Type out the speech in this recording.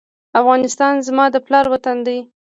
افغانستان زما د پلار وطن دی